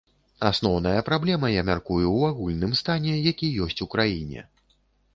Асноўная праблема, я мяркую, у агульным стане, які ёсць у краіне.